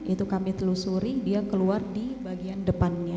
itu kami telusuri dia keluar di bagian depannya